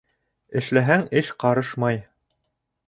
Эшләһәң, эш ҡарышмай.